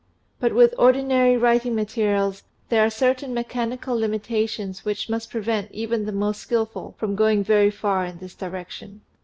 But with ordinary writing materials there are certain mechanical limitations which must prevent even the most skilful from going very far in this direction.